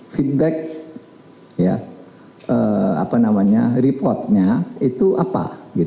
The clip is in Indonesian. feedback reportnya itu apa